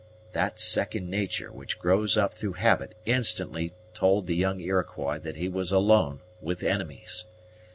That second nature which grows up through habit instantly told the young Iroquois that he was alone with enemies.